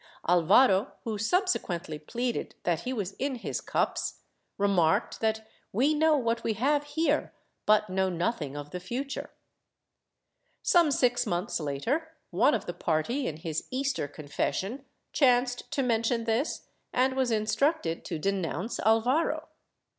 Alvaro (who subsequently pleaded that he was in his cups) remarked that we know what we have here but know nothing of the future. Some six months later, one of the party, in his Easter confession, chanced to mention this, and was instructed to denounce Alvaro.